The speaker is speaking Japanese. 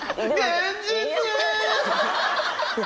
現実！